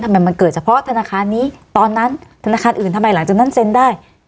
มันเกิดเฉพาะธนาคารนี้ตอนนั้นธนาคารอื่นทำไมหลังจากนั้นเซ็นได้